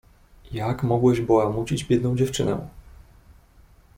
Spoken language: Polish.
"Jak mogłeś bałamucić biedną dziewczynę?...."